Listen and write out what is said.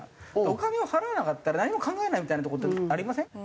お金を払わなかったら何も考えないみたいなとこってありません？